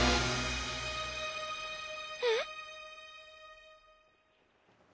えっ！？